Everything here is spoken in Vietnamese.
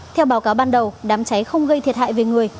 theo báo cáo ban đầu đám cháy không gây thiệt hại về người